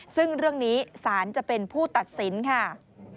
ซึ่งเรื่องนี้สารจะเป็นผู้ตัดสินค่ะ